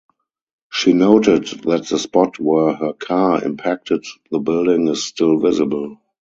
She noted that the spot where her car impacted the building is still visible.